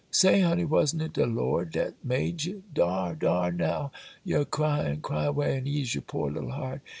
Say, honey!—wasn't it de Lord dat made ye?—Dar, dar, now ye'r' cryin'!—cry away, and ease yer poor little heart!